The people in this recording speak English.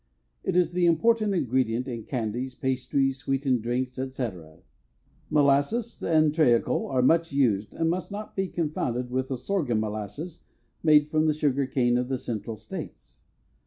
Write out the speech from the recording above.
It is the important ingredient in candies, pastries, sweetened drinks, etc. Molasses and treacle are much used and must not be confounded with the sorghum molasses made from the sugarcane of the Central States.